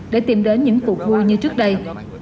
để tìm đến những cuộc vui như trước đây